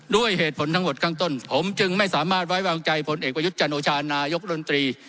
ด้วยเหตุผลทั้งหมดข้างต้นผมจึงไม่สามารถไว้วางใจผลเอกประยุทธ์จันโอชานายกรัฐมนตรี